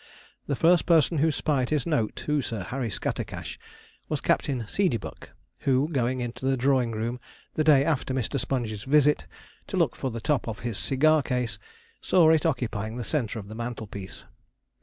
The first person who spied his note to Sir Harry Scattercash was Captain Seedeybuck, who, going into the drawing room, the day after Mr. Sponge's visit, to look for the top of his cigar case, saw it occupying the centre of the mantelpiece.